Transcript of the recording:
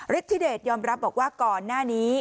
ทธิเดชยอมรับบอกว่าก่อนหน้านี้